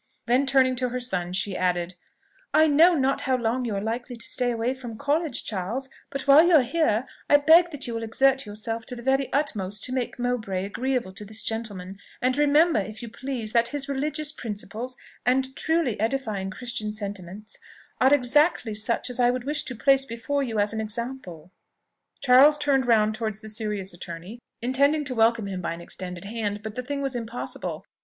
Then turning to her son, she added, "I know not how long you are likely to stay away from college, Charles; but while you are here, I beg that you will exert yourself to the very utmost to make Mowbray agreeable to this gentleman; and remember, if you please, that his religious principles, and truly edifying Christian sentiments, are exactly such as I would wish to place before you as an example." Charles turned round towards the serious attorney, intending to welcome him by an extended hand; but the thing was impossible.